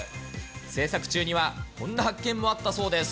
制作中には、こんな発見もあったそうです。